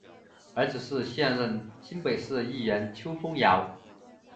儿子是现任新北市议员邱烽尧。